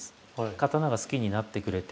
刀が好きになってくれて。